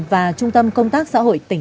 và trung tâm công tác xã hội tỉnh